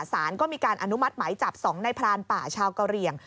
สารก็มีการอนุมัติไหมจับ๒ในพรานป่าชาวกะเหลี่ยง